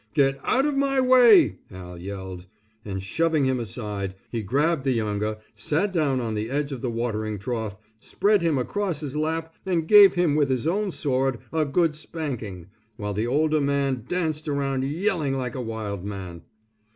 "Get out of my way" Al yelled, and, shoving him aside, he grabbed the younger, sat down on the edge of the watering trough, spread him across his lap, and gave him with his own sword a good spanking, while the older one danced around yelling like a wild man.